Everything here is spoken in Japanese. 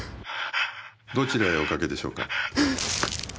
どちらへおかけでしょうか。